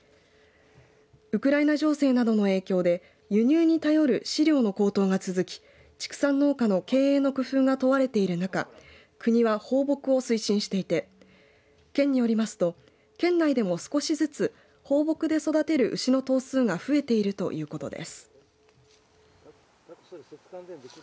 ウクライナ情勢などの影響で輸入に頼る飼料の高騰が続き畜産農家の経営の工夫が問われている中国は放牧を推進していて県によりますと県内でも少しずつ放牧で育てる牛の頭数が増えているということです。